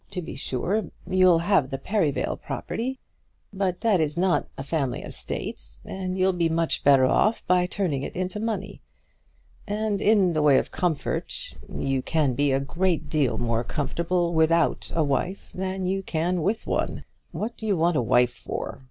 To be sure you'll have the Perivale property; but that is not a family estate, and you'll be much better off by turning it into money. And in the way of comfort, you can be a great deal more comfortable without a wife than you can with one. What do you want a wife for?